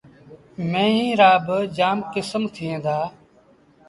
ميݩوهيݩ رآ با جآم ڪسم ٿئيٚݩ دآ۔